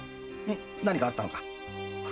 何かあったのか？